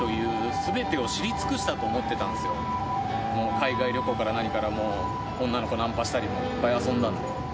海外旅行から何からもう女の子ナンパしたりもういっぱい遊んだんで。